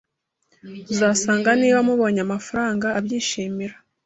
Uzasanga niba mubonye amafaranga abyishimira